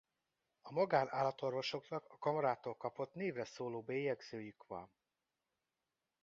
A magán-állatorvosoknak a kamarától kapott névre szóló bélyegzőjük van.